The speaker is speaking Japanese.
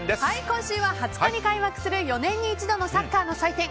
今週は２０日に開幕する４年に一度のサッカーの祭典